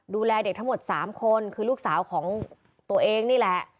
ดูแลเด็กทั้งหมด๓คนคือลูกสาวของตัวเองนี่แหละ